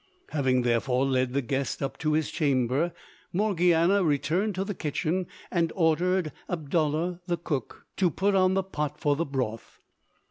Having therefore led the guest up to his chamber, Morgiana returned to the kitchen and ordered Abdallah the cook to put on the pot for the broth.